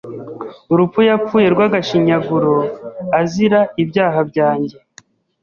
urupfu yapfuye rw’agashinyaguro azira “ibyaha byanjye”.